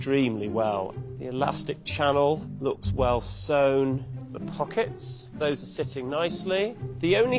はい。